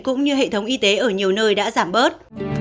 cũng như hệ thống y tế ở nhiều nơi đã giảm bớt